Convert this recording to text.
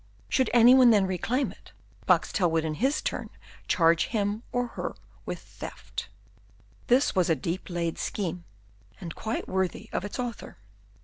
Should any one then reclaim it, Boxtel would in his turn charge him or her with theft. This was a deep laid scheme, and quite worthy of its author.